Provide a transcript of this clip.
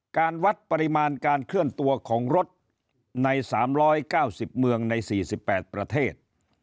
การวัดปริมาณการเคลื่อนตัวของรถใน๓๙๐เมืองใน๔๘ประเทศ